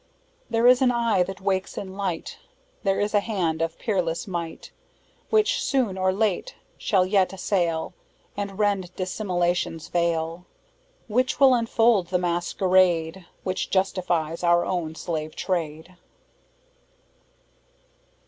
"There is an eye that wakes in light, There is a hand of peerless might; Which, soon or late, shall yet assail And rend dissimulation's veil: Which will unfold the masquerade Which justifies our own 'slave trade.'"